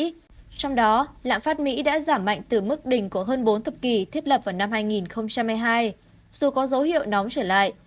trong đó lạm phát mỹ đã giảm mạnh từ mức đỉnh của hơn bốn thập kỷ thiết lập vào năm hai nghìn hai mươi hai dù có dấu hiệu nóng trở lại